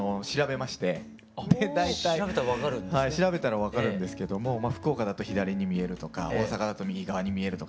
大体調べたら分かるんですけれども福岡だと左に見えるとか大阪だと右側に見えるとか。